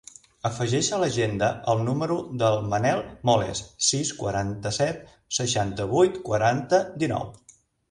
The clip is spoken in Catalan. Afegeix a l'agenda el número del Manel Moles: sis, quaranta-set, seixanta-vuit, quaranta, dinou.